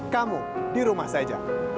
kamu di rumah saja